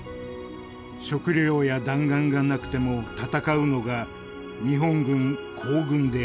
「『食糧や弾薬が無くても戦うのが日本軍皇軍である』。